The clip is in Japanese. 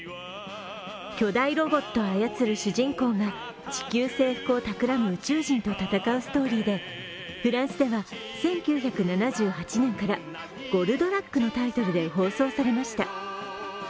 巨大ロボットを操る主人公が地球征服をたくらむ宇宙人と戦うストーリーで、フランスでは１９７８年から「ゴルドラック」のタイトルで放送されました。